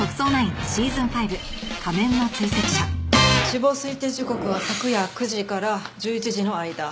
死亡推定時刻は昨夜９時から１１時の間。